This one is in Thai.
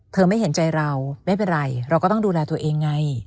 ไม่เห็นใจเราไม่เป็นไรเราก็ต้องดูแลตัวเองไง